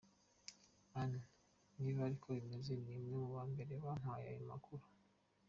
Anne : “Niba ari uko bimeze, ni mwe ba mbere mumpaye ayo makuru !